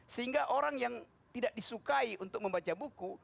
sehingga orang yang tidak disukai untuk membaca buku